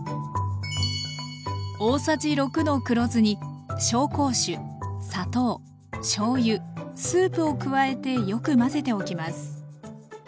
大さじ６の黒酢に紹興酒砂糖しょうゆスープを加えてよく混ぜておきます。